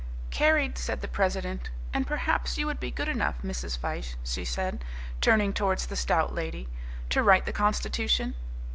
"Carried," said the president. "And perhaps you would be good enough, Mrs. Fyshe," she said, turning towards the stout lady, "to write the constitution."